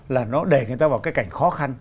là nó đẩy người ta vào cái cảnh khó khăn